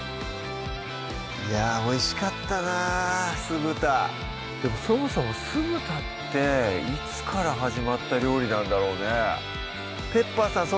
いやぁおいしかったな酢豚でもそもそも酢豚っていつから始まった料理なんだろうねどうなの？